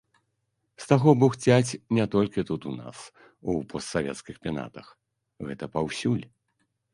З таго бухцяць не толькі тут у нас, у постсавецкіх пенатах, гэта паўсюль.